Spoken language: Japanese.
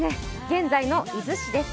現在の伊豆市です。